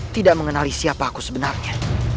tidak mengenali siapa aku sebenarnya